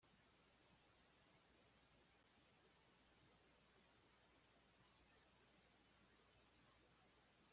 Posee dos pisos, alto y bajo, con grandes huecos protegidos por buenas rejas.